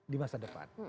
di masa depan